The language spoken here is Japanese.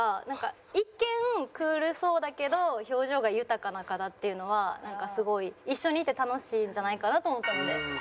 一見クールそうだけど表情が豊かな方っていうのはなんかすごい一緒にいて楽しいんじゃないかなと思ったので。